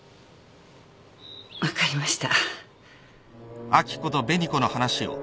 分かりました。